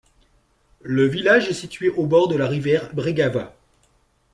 Le village est situé au bord de la rivière Bregava.